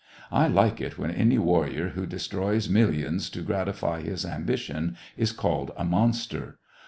I like it when any warrior who destroys mill ions to gratify his ambition is called a monster.